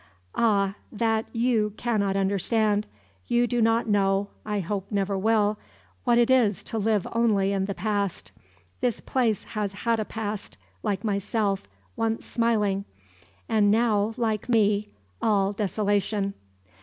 "Ah! that you cannot understand. You do not know I hope never will what it is to live only in the past. This place has had a past, like myself, once smiling; and now like me all desolation."